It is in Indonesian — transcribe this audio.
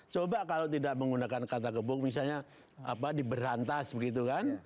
coba kalau tidak menggunakan kata gebuk misalnya diberantas begitu kan